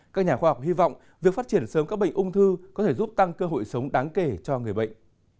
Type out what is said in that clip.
các nhà khoa học hy vọng việc phát triển sớm các bệnh ung thư có thể giúp tăng cơ hội sống đáng kể cho người bệnh